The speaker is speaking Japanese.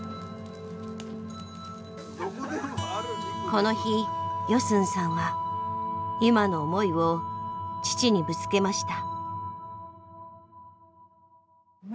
この日ヨスンさんは今の思いを父にぶつけました。